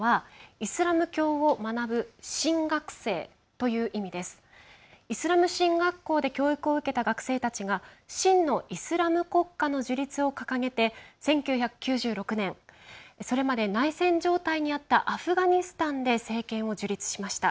イスラム神学校で教育を受けた学生たちが真のイスラム国家の樹立を掲げて１９９６年それまで内戦状態にあったアフガニスタンで政権を樹立しました。